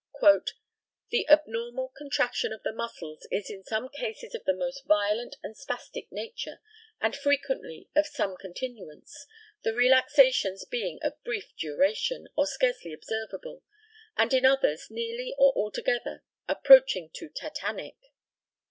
"The abnormal contraction of the muscles is in some cases of the most violent and spastic nature, and frequently of some continuance, the relaxations being of brief duration, or scarcely observable, and in others nearly or altogether approaching to tetanic?"